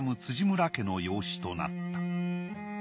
辻村家の養子となった。